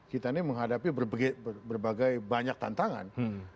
kita ini menghadapi berbagai banyak tantangan